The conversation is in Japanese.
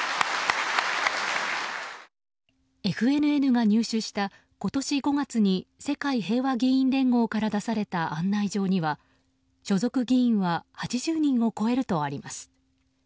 ＦＮＮが入手した、今年５月に世界平和議院連合から出された案内状には所属議員は８０人を超えるとあります。